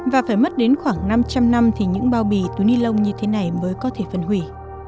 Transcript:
và phải mất đến khoảng năm trăm linh năm thì những bao bì túi ni lông như thế này mới có thể phân hủy